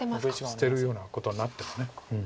捨てるようなことになっても。